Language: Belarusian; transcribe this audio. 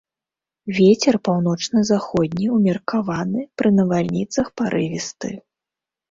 Вецер паўночна-заходні ўмеркаваны, пры навальніцах парывісты.